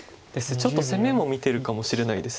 ちょっと攻めも見てるかもしれないです。